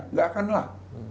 nggak akan lah